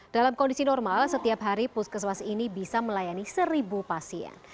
dalam kondisi normal setiap hari puskesmas ini bisa melayani seribu pasien